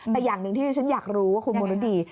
แต่อย่างหนึ่งที่ที่ฉันอยากรู้ว่าคุณมรุดี